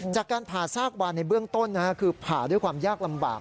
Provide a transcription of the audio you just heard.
จากการผ่าซากวานในเบื้องต้นคือผ่าด้วยความยากลำบาก